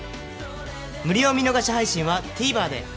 無料見逃し配信は ＴＶｅｒ で